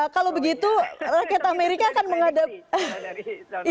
kalau begitu rakyat amerika akan menghadapi